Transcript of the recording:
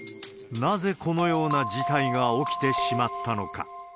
なぜこのような事態が起きてしまったのか。